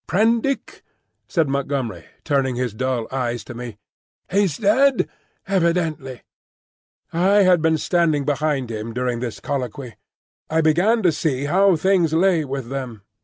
"Prendick," said Montgomery, turning his dull eyes to me. "He's dead, evidently." I had been standing behind him during this colloquy. I began to see how things lay with them.